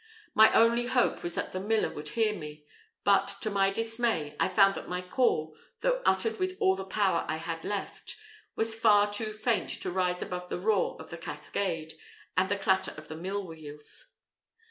My only hope was that the miller would hear me; but to my dismay, I found that my call, though uttered with all the power I had left, was far too faint to rise above the roar of the cascade and the clatter of the mill wheels.